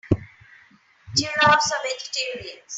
Giraffes are vegetarians.